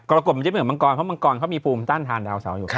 กบมันจะไม่เหมือนมังกรเพราะมังกรเขามีภูมิต้านทานดาวเสาอยู่